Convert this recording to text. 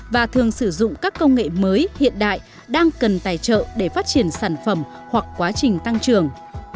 và thường sử dụng các công nghệ mới hiện đại đang cần tài trợ để phát triển sản phẩm hoặc quá trình tăng trưởng